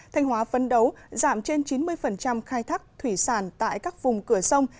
thanh hóa phấn đấu giảm trên chín mươi khai thác thủy sản tại các vùng cửa sông